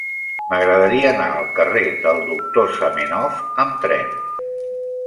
M'agradaria anar al carrer del Doctor Zamenhof amb tren.